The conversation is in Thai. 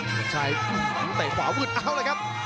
เชลิมชัยตั้งแต่ขวามืดเอาเลยครับ